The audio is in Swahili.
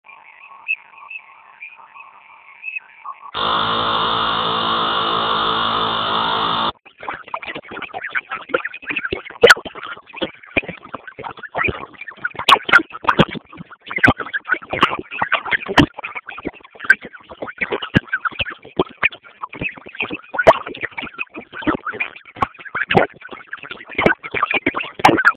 Wanyama waliokufa kwa bonde la ufa huwa na doa yenye damu katika ogani